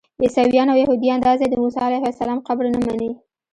عیسویان او یهودیان دا ځای د موسی علیه السلام قبر نه مني.